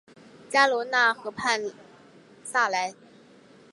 加罗讷河畔萨莱。